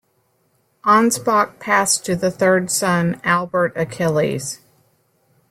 Ansbach passed to the third son Albert Achilles.